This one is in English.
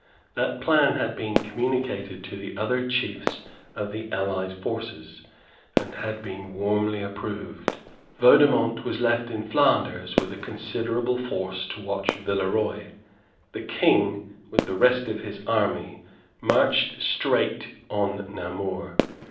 That plan had been communicated to the other chiefs of the allied forces, and had been warmly approved. Vaudemont was left in Flanders with a considerable force to watch Villeroy. The King, with the rest of his army, marched straight on Namur.